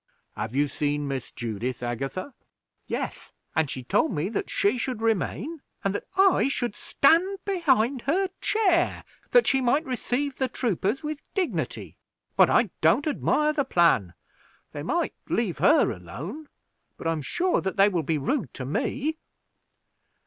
"Have you seen Miss Judith, Agatha?" "Yes; and she told me that she should remain, and that I should stand behind her chair that she might receive the troopers with dignity; but I don't admire the plan. They might leave her alone, but I am sure that they will be rude to me."